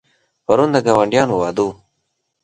پرون د ګاونډیانو واده و.